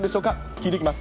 聞いていきます。